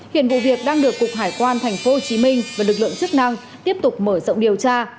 hiện vụ việc đang được cục hải quan tp hcm và lực lượng chức năng tiếp tục mở rộng điều tra